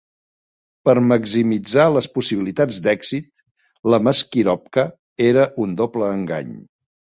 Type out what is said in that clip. Per maximitzar les possibilitats d'èxit, la maskirovka era un doble engany.